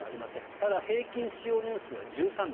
ただ平均使用年数は１３年。